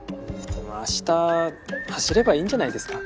明日走ればいいんじゃないですか？